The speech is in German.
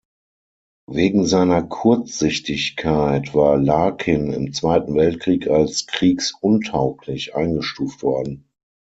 Wegen seiner Kurzsichtigkeit war Larkin im Zweiten Weltkrieg als kriegsuntauglich eingestuft worden.